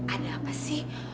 ada apa sih